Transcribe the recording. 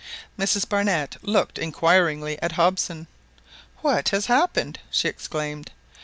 Mrs Barnett looked inquiringly at Hobson. "What has happened?" she exclaimed.